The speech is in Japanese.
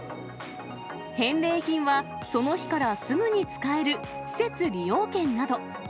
返礼品はその日からすぐに使える施設利用券など。